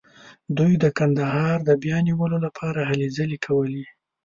دوی د کندهار د بیا نیولو لپاره هلې ځلې کولې.